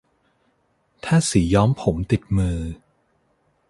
ถ้าสีย้อมผมติดมือ